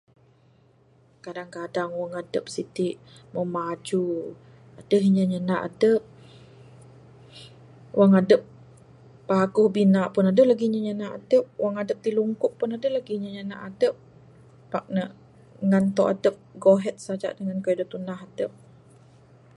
Kadang kadang wang adep siti meh maju, deh inya nyanda adep. Wang adep paguh bina adeh lagih inya nyanda adep. Wang adep ti lungkuk pun adeh lagih inya nyanda adep. Nan tau dep go ahead saja ngan kayuh da tunah adep.